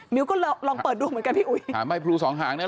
มิวก็ลองเปิดดูเหมือนกันพี่อุ๋ย